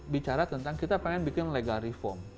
bicara tentang kita pengen bikin legal reform